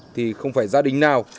thì không phải gia đình nào